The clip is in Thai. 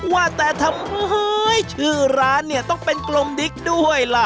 ว่าแต่ทำไมชื่อร้านเนี่ยต้องเป็นกลมดิ๊กด้วยล่ะ